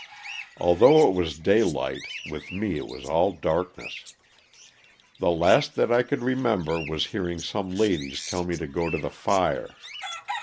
Although it was daylight, with me it was all darkness. The last that I could remember was hearing some ladies tell me to go to the fire.